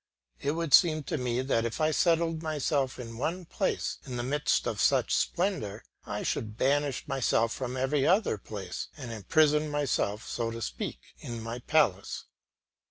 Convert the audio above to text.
It would seem to me that if I settled myself in one place in the midst of such splendour, I should banish myself from every other place, and imprison myself, so to speak, in my palace.